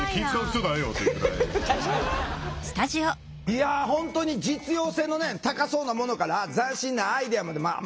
いや本当に実用性の高そうなものから斬新なアイデアまでまあ